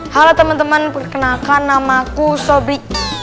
halo teman teman perkenalkan nama aku sobri